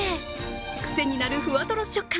癖になるふわとろ食感